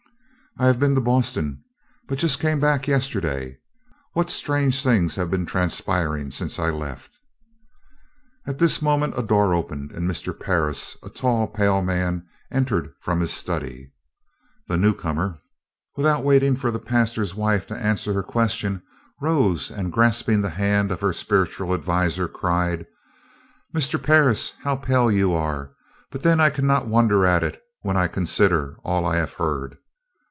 "I have been to Boston, and but just came back yesterday. What strange things have been transpiring since I left?" At this moment a door opened and Mr. Parris, a tall, pale man, entered from his study. The new comer, without waiting for the pastor's wife to answer her question, rose and, grasping the hand of her spiritual adviser, cried: "Mr. Parris, how pale you are! but then I cannot wonder at it, when I consider all I have heard."